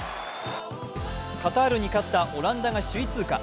カタールに勝ったオランダが首位通過。